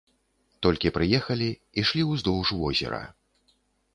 Толькі прыехалі, ішлі ўздоўж возера.